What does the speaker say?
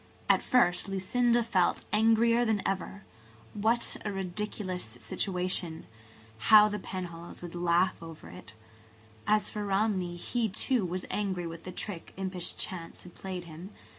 At first Lucinda felt angrier than ever. What a ridiculous situation! How the Penhallows would laugh over it! As for Romney, he, too, was angry with the trick impish chance had played him.